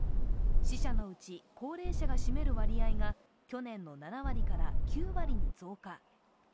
死者のうち高齢者が占める割合が去年の７割から９割に増加。